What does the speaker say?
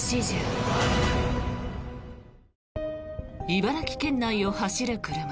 茨城県内を走る車。